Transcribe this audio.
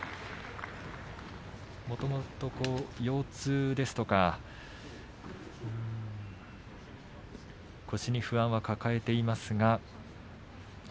もともと腰痛ですとか腰に不安を抱えています。